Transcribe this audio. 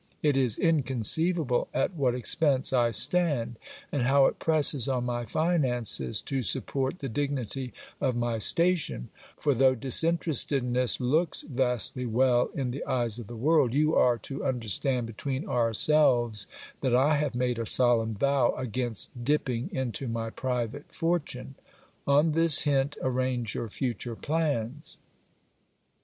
It is inconceivable at what expense I stand, and how it presses on my finances to support the dignity of my sta tion ; for though disinterestedness looks vastly well in the eyes of the world, you are to understand between ourselves that I have made a solemn vow against dipping into my private fortune. On this hint, arrange your future plans.